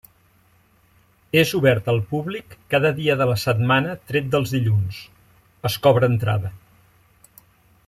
És obert al públic cada dia de la setmana tret dels dilluns; es cobra entrada.